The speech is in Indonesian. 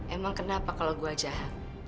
emang kenapa kalau gue jahat